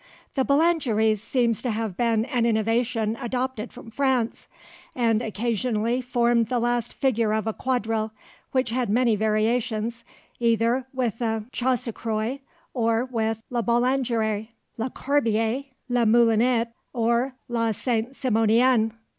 The Boulangeries seems to have been an innovation adopted from France, and occasionally formed the last figure of a quadrille, which had many variations, "either with a 'Chassecroise,' or with 'la boulangère,' 'la corbeille,' 'le Moulinet,' or 'la ste Simonienne.